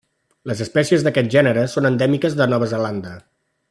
Les espècies d'aquest gènere són endèmiques de Nova Zelanda.